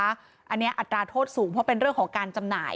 อันนี้อัตราโทษสูงเพราะเป็นเรื่องของการจำหน่าย